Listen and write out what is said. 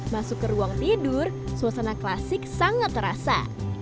masuk ke ruang tidur suasana klasik sangat terasa